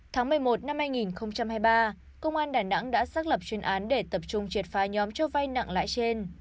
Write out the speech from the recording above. tháng một mươi một năm hai nghìn hai mươi ba công an đà nẵng đã xác lập chuyên án để tập trung triệt phá nhóm cho vai nặng lãi trên